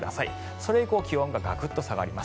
それ以降、気温がガクッと下がります。